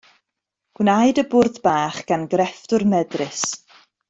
Gwnaed y bwrdd bach gan grefftwr medrus.